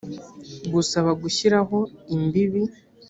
gusaba gushyiraho imbibi